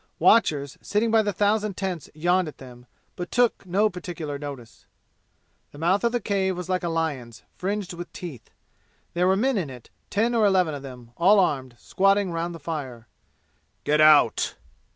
Watchers sitting by the thousand tents yawned at them, but took no particular notice. The mouth of the cave was like a lion's, fringed with teeth. There were men in it, ten or eleven of them, all armed, squatting round the fire. "Get out!"